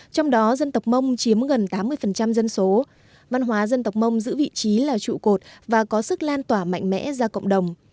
trong đó dân tộc mông chiếm gần tám mươi dân số văn hóa dân tộc mông giữ vị trí là trụ cột và có sức lan tỏa mạnh mẽ ra cộng đồng